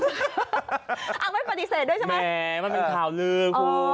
เอาไม่ปฏิเสธด้วยใช่ไหมแหมมันเป็นข่าวลือคุณ